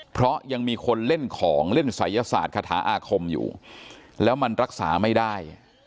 เพราะยังมีคนเล่นของเล่นศัยศาสตร์คาถาอาคมอยู่แล้วมันรักษาไม่ได้